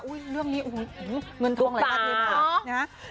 อุ๊ยเรื่องนี้เงินทองหลายประเทศ